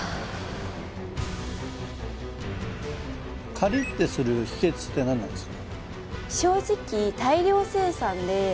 カリッてする秘訣って何なんですか？